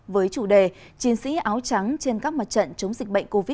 với chủ đề chiến sĩ áo trắng trên các mặt trận chống dịch bệnh covid một mươi chín